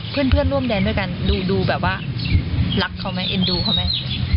เพื่อนร่วมแดนด้วยกันดูแบบว่ารักเขาไหมเอ็นดูเขาไหม